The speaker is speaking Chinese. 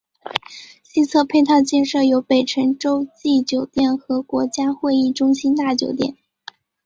西侧配套建设有北辰洲际酒店和国家会议中心大酒店。